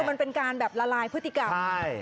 คือมันเป็นการระลายพฤติกรรม